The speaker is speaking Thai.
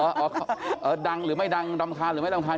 ดังหรือไม่ดังรำคาญหรือไม่รำคาญ